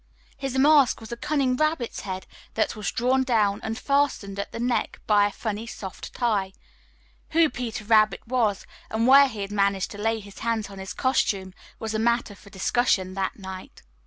His mask was a cunning rabbit's head that was drawn down and fastened at the neck by a funny soft tie. Who "Peter Rabbit" was and where he had managed to lay hands on his costume was a matter for discussion that night.